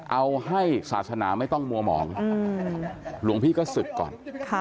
เอาให้ศาสนาไม่ต้องมัวหมองหลวงพี่ก็ศึกก่อน